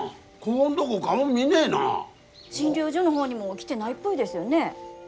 診療所の方にも来てないっぽいですよね。